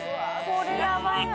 これやばいな。